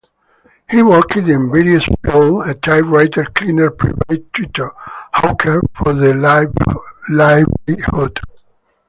He worked in various field as typewriter cleaner, private tutor, Hawker for the livelihood.